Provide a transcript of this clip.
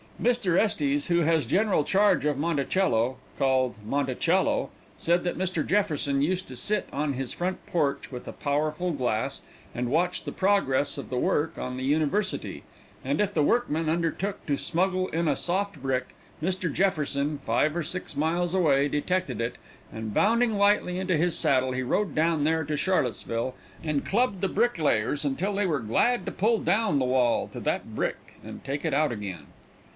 Mr. Estes, who has general charge of Monticello called Montechello said that Mr. Jefferson used to sit on his front porch with a powerful glass, and watch the progress of the work on the University, and if the workmen undertook to smuggle in a soft brick, Mr. Jefferson, five or six miles away, detected it, and bounding lightly into his saddle, he rode down there to Charlottesville, and clubbed the bricklayers until they were glad to pull down the wall to that brick and take it out again.